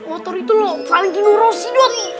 motor itu loh paling generosi dot